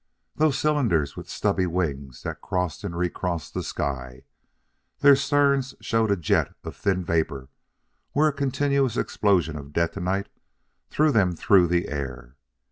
Those cylinders with stubby wings that crossed and recrossed the sky; their sterns showed a jet of thin vapor where a continuous explosion of detonite threw them through the air.